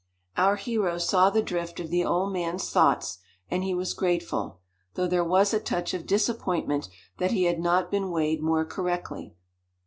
Our hero saw the drift of the old man's thoughts, and he was grateful, though there was a touch of disappointment that he had not been weighed more correctly.